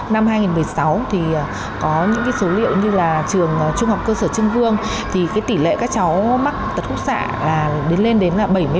năm hai nghìn một mươi sáu có những số liệu như trường trung học cơ sở trưng vương tỷ lệ các cháu mắc tật khúc xạ lên đến bảy mươi bảy một